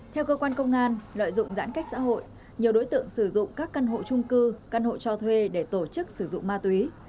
theo cơ quan công an lợi dụng giãn cách xã hội nhiều đối tượng sử dụng các căn hộ trung cư căn hộ cho thuê để tổ chức sử dụng ma túy